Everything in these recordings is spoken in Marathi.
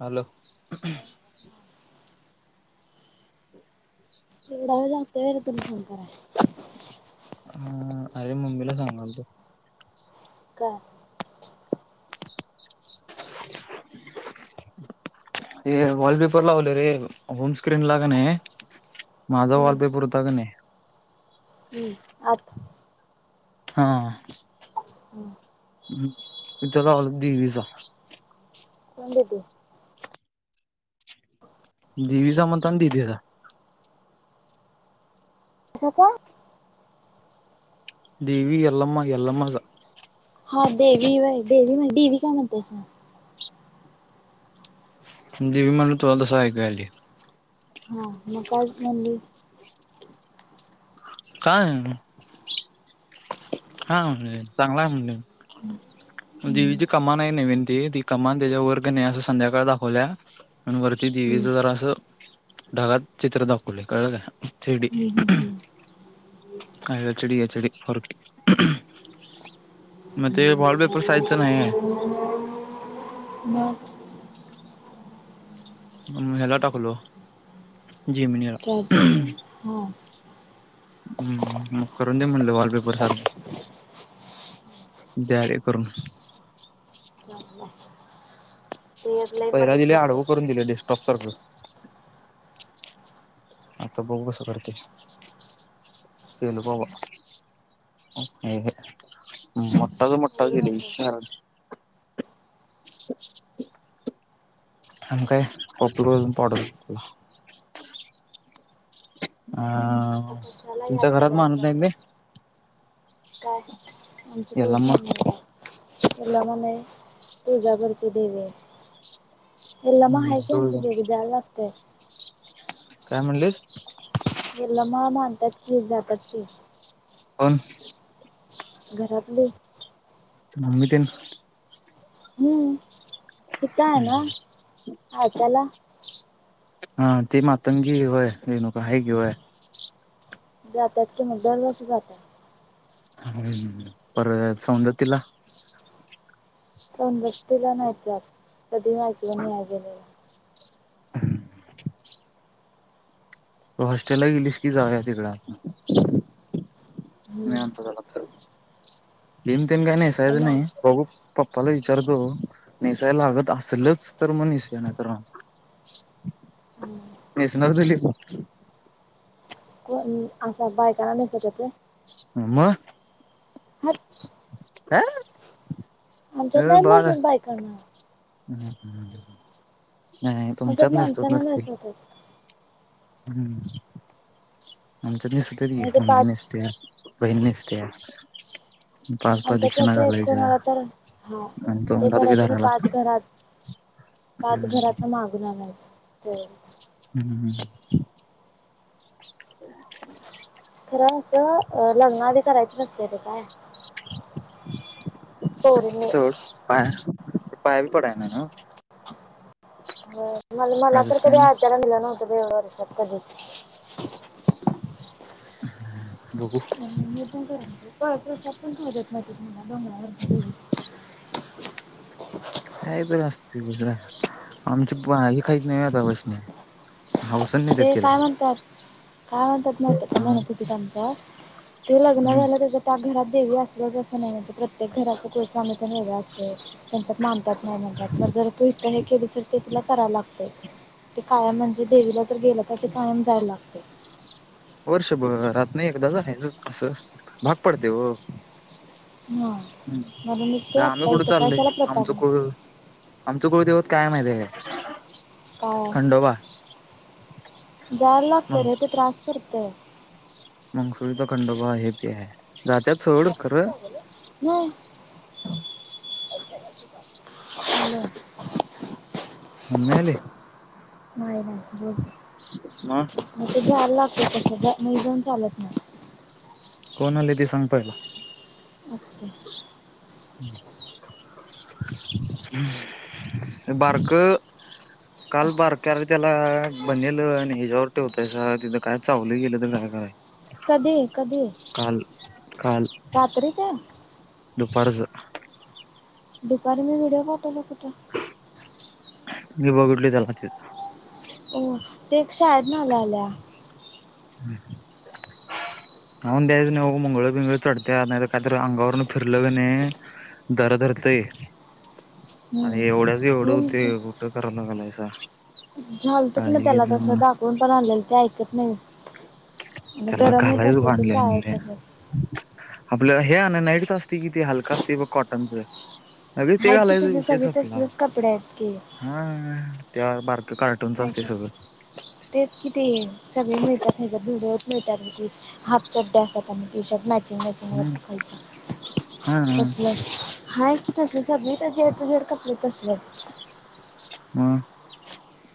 हॅलो [inaudible] [inaudible] एवढा वेळ लागतोय होय रे तुला फोन कराय हं अरे मम्मीला सांगालतो काय? [inaudible] हे वॉलपेपर लावले रे होम स्क्रीन लाकनई माझा हम्म वॉलपेपर होता कानई हम्म आत हां हं. हुंम इथ लावल्यात देवीचा. कोण, देतय? दीवीचा म्हणता न, दी तिजा. कशाचा? देवी एल्लमा- एल्लमाजा. हा, देवी होय. देवी म्हण. दिवी काय, म्हणतासा? देवि मनल. तोला तसं, ऐकाय आली. हां. म काज म्हणली? काय? अ हं. हा म्हणले. चांगलाय म्हणले. हम्म, दिवीची कमानय नवीन ती. ती कमान त्याच्या वर का नाही असं, संध्याकाळ दाखवल्या. अन् वरती दिवीच हम्म, जरा असं ढगात चित्र दाखवले. कळलं का? Three D. हम्म, हम्म, हम्म. ह एच डी - एच डी [unintelligible] म ते वाल् पेपर साईजचं नाहीये. [inaudible] मग? म हेला टाकलो. जेमीनला. हो. हम्. मग करून दे म्हणल, वॉलपेपर सारखा. जा रे करून. हा, हा. पहिला दिले. आडवं करून दिले. डेस्टॉप सारखं. आता बघू, कसं करते. केलं बाबा. अ ह. मोठाच मोठा एवढी दिले. नको ह. [inaudible] अजून, काय? [unintelligible] आता अ कशाला तुमच्या यातनं घरात बॅग मानत नाही ते. चाललीस काय? आमची ते याला कुलस्वामिनी हाय. तुला मने. तुळजापूरची देवीय. त्यांनला माहितेय, आमच्या मग देवी जायला लागतय. काय म्हणलीस? यल्लमा, मानतात की. जातात की. कोण? घरातली. मम्मी तेन. हम्म. तीथं हाय ना, आ त्याला. हा, ती मातंगी होय? रेणुका, हाय की व्हय. जातात कि म. दरवर्षी जातात. हं. परत सौंदतीला. सौंदतीला नाहीत जात. कधी ऐकलं नाही, आई गेल्यालं. तू हॉस्टेलला गेलीस की, जाऊया तिकड. नाही आता हम्म झाला फिरून. लिम - तीम काही नाही. असं सहज ना नाही, बघू. पप्पाला विचारतो. नेसायला लागत असलच, तर म निसुया. नाही तर नाही. हम्म. नेसणार दिली. कोण? असं, बायकांना नेसवत्यात होय? म? हाट [inaudible] काय झालं? आमच्यात नाय [unintelligible] नसून बायकाना. हम्म हम्म, नाय आमच्यात तुमच्यात नयसतो. माणसांना नसतील. नेसवतात हम्म आमच्यात नीसतरी आणि ते मम्मी पाच नेसते. बिहिन नेस्ते. पाच आमच्यात प्रदी्क्षाणा फक्त एक घालायच्या. कोणाला तर हा आणि ते तोंडात बी करायचं आणि धरायला लागत. पाच घरात मागून आणायचं. तेवरच हम्म. [unintelligible] खरं असं लग्नाआधी करायचंच असत ते काय? पोरीनी. पाया पाया बी पडाय ना नो. होय म मला असंच तर काय कधी नाही आचारण दिलं नव्हतं बाई वर्षात कधीच. [inaudible] मी पण का परतसात पण खाउदेत नवती. डोगरा वरची देवी का बर असतुस गुजरा. आमची हे खाहीच नाही होय आता पसन. हाउस. ते देतिला. काय म्हणतात काय म्हणतात माहीत का? म्हणत होतीत आमचत ते लग्न झालं त्याच्या त्या घरात देवी असलच असं नाही. म्हणजे प्रत्येक घराच कुळस्वामी तेण वेगळे असतय. त्यांच्यात मानतात नाही माणतात. मग जर तू हे केली तर ते तुला करा लागतय. ते कायम म्हणजे देवीला जर गेलं तर ते कायम जाय लागतंय. वर्षभरातन एकदा झायच असं भाग पडतेय हो. हा हम्म म्हणूनच आता ते आम्ही आत्ता कुठं इथं चाललोय. कशाला प्रताप आमचं कुळ आमचं कुळ दैवत काय माहितेय का? काय खंडोबा. हम्म. करतय. मंगसुरीचा खंडोबा हे ते. जात्यात सोड खरं नाही [unintelligible] मम्मी आली? नाही नाही बोल तू. मग ते जायला लागत कस मी जाऊन चालत नाही. कोण आले ते सांग पाहिला? असते बारक काल बारक्या रे त्याला बनेलव आणि ह्याच्या्यावर ठेवतायसा. तिथं काय चावलं गेलं तर काय करायच? कधी कधी. काल काल. रात्रीचे? दुपारचं. दुपारी मी व्हिडिओ पाठवलो होत तूला. [unintelligible] ते एक शाळेतन आल्या आल्या. हम्म हम्म. होऊन द्यायच नाही बाबा मुगळ पिंगळ चढत्या नाही तर काहीतरी अंगावरून फिरलं का नाही दर धरतय हम्म आणि एवढ्याच एवढं होऊन होतेय कुठं कराय लागालायसा. झालत कि मग त्याला तस दाखवून पण आणलेलं ते ऐकत नाही. त्याला गरम होत घालायच असत ते भांडले आणि रे. शाळेच्या आपलं हे आणण्या च असते की ते हलक असते बघ कॉटनच. अग ते आहेत की घालायचं तुझे विषय सगळे संपला. तसलेच कपडे आहेत की हा ते बारक कार्टूनच ऐक असते सगळं. सगळ मिळतात ह्याच्यात जुडीयोत मिळतात की हाफ चड्या असतात आणि टीशर्ट चिंगा चिंगा हम्म दुखायचा हा तसलं हा की तसलं [unintelligible] कपडे तसलं. म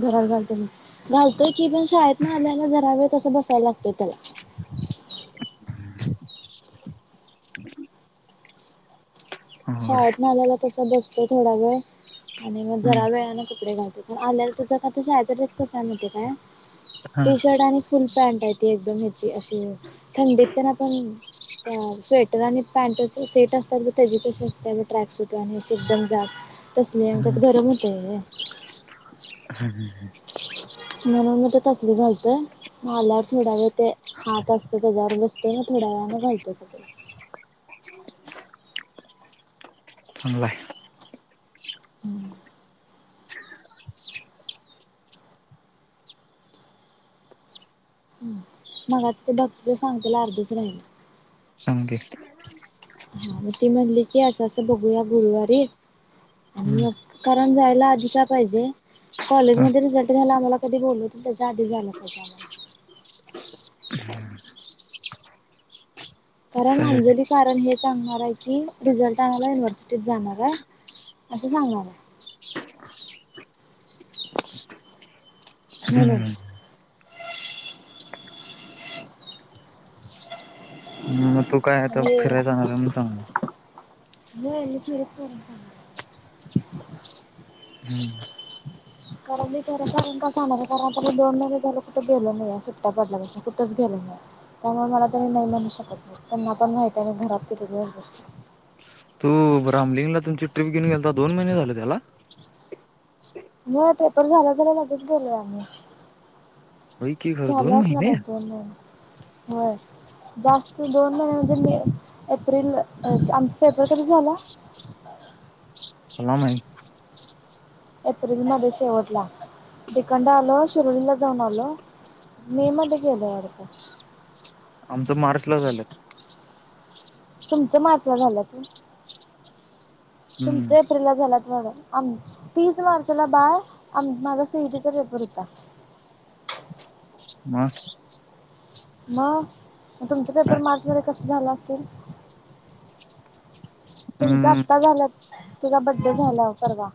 घरात घालतो मी घालतोय की पण शाळेत न आल्या आल्या जरा वेळ तसं बसायला लागतोय त्याला. [inaudible] अवघड आहे शाळेतनं आल्या आल्या तसं बसतोय थोड्यावेळ आणि मग हम्म जरा वेळान कपडे घालतोय. आल्या आल्या त्याचां काय ते शाळेचा ड्रेस कसा आहे माहिती काय हा टीशर्ट आणि फुल पॅन्ट आहे ती एकदम ह्याची अशी थंडीत तर आपण त्या स्वेटर आणि पॅन्टचे सेट असतात बघ त्याची पैशे अस त्यावर ट्रॅक सुट आणि अशे एकदम जाड तसले आणत्यात हम्म गरम होतंय वय. [inaudible] म्हणून मंग ते तसले घालतोय मंग आल्यावर थोडा वेळ ते हात अस त्याच्यावर बसतोय मग थड्या वेळाने घालतोय कपडे. चांगलय. हम्म [inaudible] मगाशी ते डॉक्टरच सांगतेला अर्धच राहिल. सांग की हा मग ती म्हणली की असं असं बघूया गुरुवारी हम्म आणि कारण जायला आधी काय पाहिजे हा, कॉलेजमध्ये रिझल्ट घ्याला आम्हाला कधी बोलवते त्याच्या आधी जायला पाहिजे आम्हाला [inaudible] [inaudible] कारण सही. अंजली कारण हे सांगणार आहे. की रिझल्ट आणाला युनिव्हर्सिटीत जाणार आहे, असं सांगणार आहे. म्हणून हम्म मग तू काय आता आणि फिरायला जाणार आहे. म्हणून सांगणार. होय मी फिरायचं कारण सांगणार. हम्म कारण मी खरं सांगून का जाणार आहे, कारण आता मी दोन महिने झाले कुठे गेली नाहीय सुट्ट्या पडल्यापासून कुठेच गेले नाहीय. त्यामुळे मला ते नाही म्हणू शकत नाही, त्यांना पण माहिती आहे मी घरात किती दिवस बसले तू राामलिंगला तुमची ट्रीप घेऊन गेलता दोन महिने झाले त्याला? हो पेपर झाल्या झाल्या लगेच गेलोय आम्ही. होय की खरं झाले दोन असणार महिने एक दोन महिने, होय. जास्त दोन महिने म्हणजे मे, एप्रिल आमच पेपर कधी झाल? [inaudible] सलाम आहे एप्रिल मध्ये शेवटला दुकान राहील शिर्डीला जाऊन आलो मे मध्ये गेलो अर्थ आमचं मार्चला झाल्यात तुमचं मार्च ला झालं तू तुमच हम्म एप्रिलला झालात वाड तीस मार्चला बाय आ माझा सीईटीचा पेपर होता मग म म तुमचा पेपर मार्च मध्ये कस झाल असतील तुमच हम्म आत्ता झालं तुझा बड्डे झाला परवा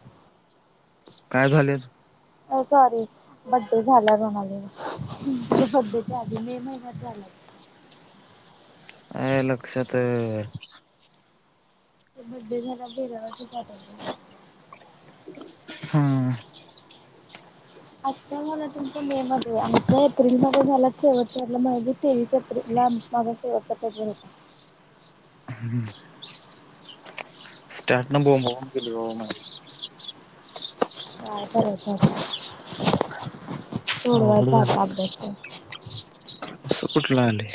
काय झाले अ सॉरी बड्डे झाला रुणालला बड्डे झाली मे महिन्यात झाला अ लक्षात आहे ते बड्डे झाला तेरा वर्षाचं झालं हा आत्ता मला तुमच मे ध्ये आता एप्रिल मध्ये झाला शेवटच्याला म्ह तेवीस एप्रिलला माझा शेवटचा पेपर होता ह स्टारटनं बोंबाबोंब केलीव काय करायचं आता अवघड सोडवायचा झालं आता अभ्यास तर असं कुठलं आले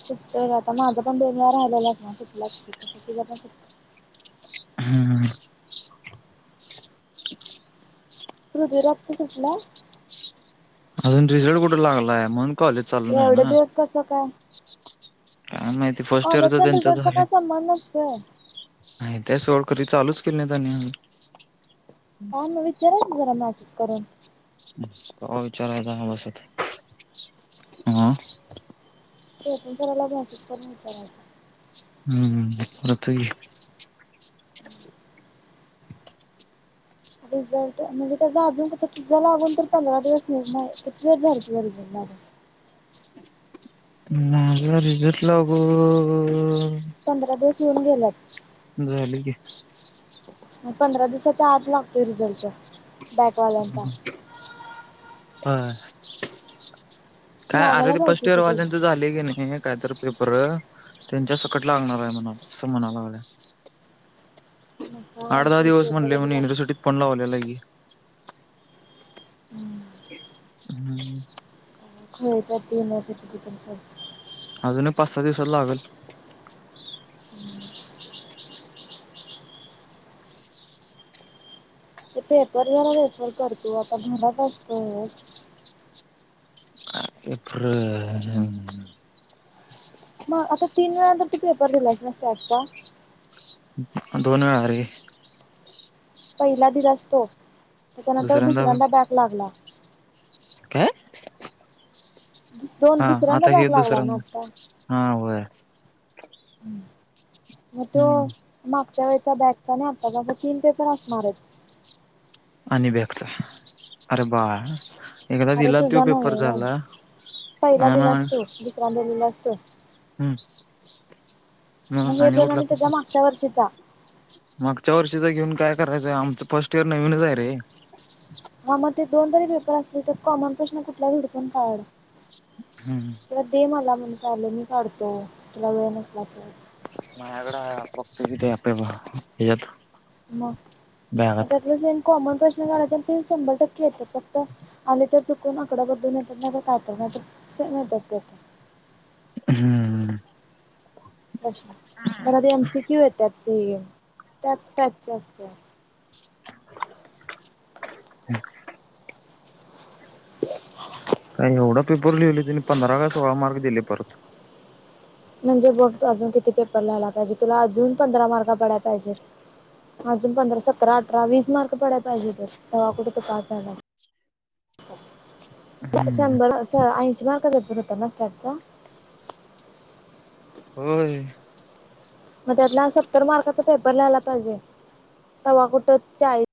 सुटतय आता माझं पण बेंगळा राहिलेलाच ना सुटलाच त तस तिला पण सुटत हम् हृदयराजचा सुटला [unintelligible] अजून रिझल्ट कुठे लागलाय मग एवढा दिवस कसं काय काय माहिती फर्स्ट इयरच कॉलेजचा आणि त्यांच रिझल्टचा झालं काय संबंध नसतोय नाही त्या सवळ कधी चालूच केले नाही त्यांनीही काम विचारायच जरा मसेज करून का विचारयता बसत हा चेतन सरला मेसेज करून विचारायचं हम्म परत रिझल्ट म्हणजे त्याचा अजून क तुझा लागून तर पंधरा दिवस मि नाही किती दिवस झाले तुझ रिझ ह माझ रिझल्ट लागून ह पंधरा दिवस होऊन गेल्यात झाली की पंधरा दिवसाच्या आत लागतोय रिझल्ट बॅकवाल्यांचा ह काय अरे लागायला ते फर्स्ट पाहिजे इअर होत त्याच वाल्याच झाले की नाही हे काय तर पेपर त्यांच्या सकटला लागणार आहे म्हणा असं म्हणायला लागलं मग काय आठ माहित दहा फर्स्ट दिवस इयरचा म्हणले म्ह कधी लागतो युिव्हर्सिटीत फोन लावलेला की हम्म खळचाात तेन असत ते अजून एक पाच सहा दिवसात लागल. ते पेपर जरा रेफर कर तू. आता घरात असतोयस. खरं [unintelligible] मग आता तीन वेळा तर तू पेपर दिलास ना स्टॅट चा. दोन वेळा रे. पहिला दिलास तो. त्याच्यानंतर दुसऱ्यांदा बॅग लागला.. काय? दुस दोन हा दुसऱ्यांदा आता हे बॅक लागला ना दुसऱ्यांदा. आता हा होय. मग तो हम्म मागच्या वेळचा बॅगचा. आणि आत्ताचा असा तीन पेपर असणार. आणि बॅक चा. अरे बाळ. एकदा अरे दिला तो तुझा नव्ह पेपर व्हय झाला. पहिला आणि दिलास तू दुसऱ्यांदा दिलेलास असतो. हम्म. म मग हे आणि दोन कुठला त्याच्या मागच्या वर्षीचा [unintelligible] मागच्या वर्षीच घेऊन काय करायचंय? आमचं फर्स्ट इयर नवीनच आहे रे. हा मग ते दोन तरी पेपर असतील तर कॉमन प्रश्न कुठल्यात हुडकून काढ. हम्. किंवा दे मला म्हणस आलं मी काढतो. तुला वेळ नसला तर. मायगडाक्ते येत आहे आपेत मग, मग त्यातलं सेम कॉमन प्रश्न काढायचं आणि ते शंभर टक्के येते फक्त, आले तर चुकून आकड बदलून येत्यात नाहीतर कायतर कायतर सेम येत्यात प्रश्न. हम्. [unintelligible] परत एम सी क्यू येत्यात ते. त्याच टाईपचे असत्यात. [inaudible] काय एवढा पेपर लिहिलय टेन पंधरा काय सोळा मार्क दिलय परत. म्हणजे बघ तू अजून किती पेपर लाहायला पाहिजे. तुला अजून पंधरा मार्क पडायला पाहिजे. अजून पंधरा सतरा अठरा वीस मार्क पडाय पाहिजे तर. तवा कुठे तू पास झालास. [inaudible] हम्म शंभर ऐंशी मार्काचा पेपर होता ना स्टॅटचा? होय. मग त्यातला सत्तर मार्काचा पेपर लिहायला पाहिजे. तवा कुठ चाळीस.